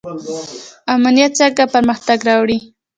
امنیت څنګه پرمختګ راوړي؟